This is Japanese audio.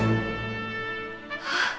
あっ。